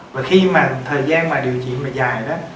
và khi mà thời gian mà điều trị mà dài đó